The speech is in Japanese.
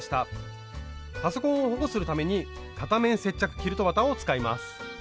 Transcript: パソコンを保護するために片面接着キルト綿を使います。